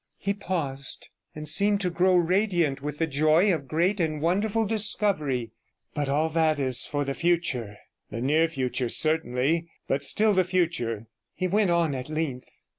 He paused, and seemed to grow radiant with the joy of great and wonderful discovery. 'But all that is for the future, the near future certainly, but still the future,' he went on at length.